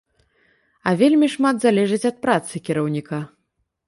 А вельмі шмат залежыць ад працы кіраўніка.